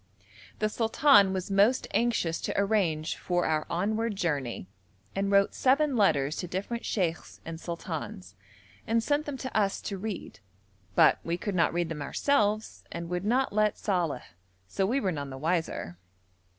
The sultan was most anxious to arrange for our onward journey, and wrote seven letters to different sheikhs and sultans, and sent them to us to read, but we could not read them ourselves, and would not let Saleh, so we were none the wiser.